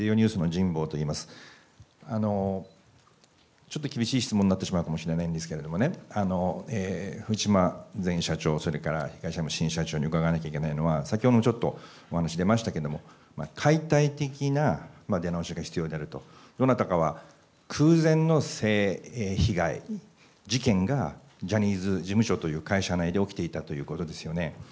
ちょっと厳しい質問になってしまうかもしれないんですけど、藤島前社長、それから東山新社長に伺わなきゃいけないのは、先ほどもお話出ましたけれども、解体的な出直しが必要であると、どなたかは空前の性被害事件がジャニーズ事務所という会社内で起きていたということですよね。